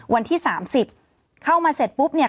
วันที่๓๐เข้ามาเสร็จปุ๊บเนี่ย